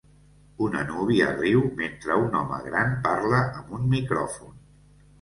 Una núvia riu mentre un home gran parla amb un micròfon.